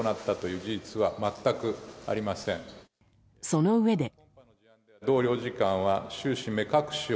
そのうえで。